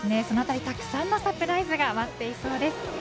そのあたりたくさんのサプライズが待っていそうです。